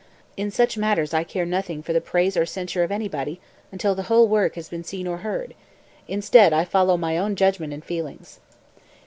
In such matters I care nothing for the praise or censure of anybody until the whole work has been seen or heard; instead I follow my own judgment and feelings."